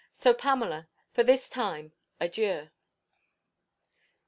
So, Pamela, for this time, Adieu.